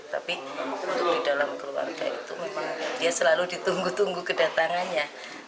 tapi untuk di dalam keluarga itu memang dia selalu ditunggu tunggu kedatangannya